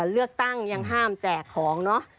เลือกตั้งยังห้ามแจกของเนอะ